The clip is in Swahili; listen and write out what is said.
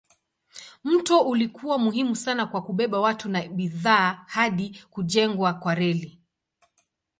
Mto ulikuwa muhimu sana kwa kubeba watu na bidhaa hadi kujengwa kwa reli.